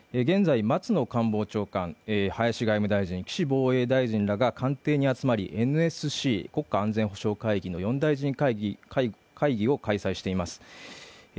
現在、松野官房長官、林外務大臣、岸防衛大臣らが官邸に集まり、ＮＳＣ＝国家安全保障会議の４大臣会議を開催しています。